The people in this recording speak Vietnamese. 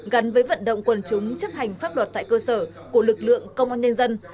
gắn với vận động quần chúng chấp hành pháp luật tại cơ sở của lực lượng công an nhân dân